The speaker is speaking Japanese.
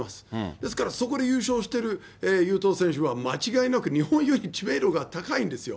ですからそこで優勝してる雄斗選手は間違いなく日本より知名度が高いんですよ。